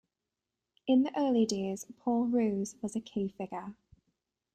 In the early days, Paul Roos was a key figure.